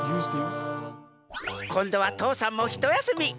こんどは父山もひとやすみ。